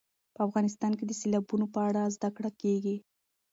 په افغانستان کې د سیلابونو په اړه زده کړه کېږي.